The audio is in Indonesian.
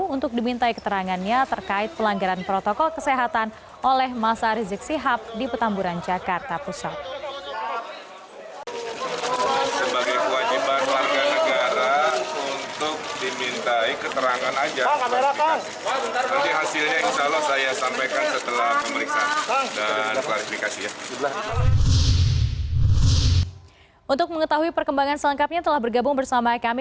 untuk mengetahui perkembangan selengkapnya telah bergabung bersama kami